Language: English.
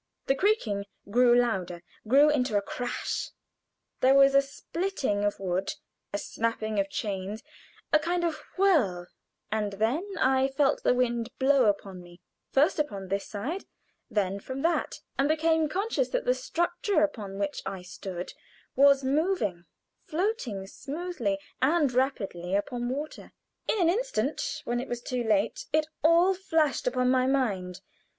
The creaking grew louder grew into a crash; there was a splitting of wood, a snapping of chains, a kind of whirl, and then I felt the wind blow upon me, first upon this side, then from that, and became conscious that the structure upon which I stood was moving floating smoothly and rapidly upon water. In an instant (when it was too late) it all flashed upon my mind.